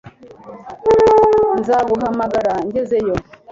Nzaguhamagara ngezeyo